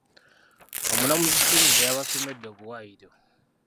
Omulamuzi Singiza yabasomedde obuwayiro.